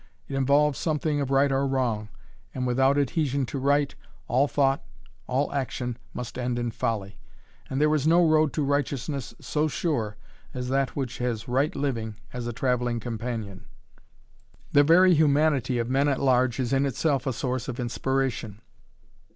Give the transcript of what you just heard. It involves something of right or wrong, and without adhesion to right, all thought, all action must end in folly. And there is no road to righteousness so sure as that which has right living as a traveling companion. The very humanity of men at large is in itself a source of inspiration.